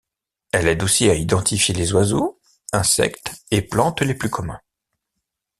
Elle aide aussi à identifier les oiseaux, insectes et plantes les plus communs.